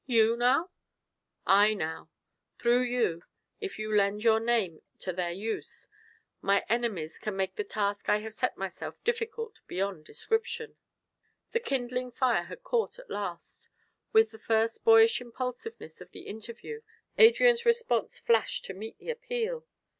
You, now?" "I, now. Through you, if you lend your name to their use, my enemies can make the task I have set myself difficult beyond description." The kindling fire had caught, at last; with the first boyish impulsiveness of the interview Adrian's response flashed to meet the appeal.